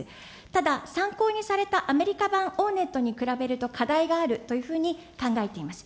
ただ、参考にされたアメリカ版オーネットに比べると課題があるというふうに考えています。